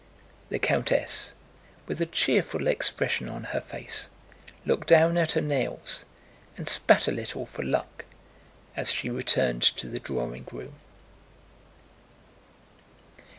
The countess, with a cheerful expression on her face, looked down at her nails and spat a little for luck as she returned to the drawing room.